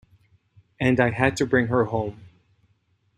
And I had to bring her home.